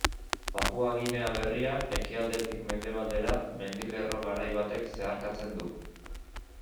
Papua Ginea Berria ekialdetik mendebaldera mendilerro garai batek zeharkatzen du.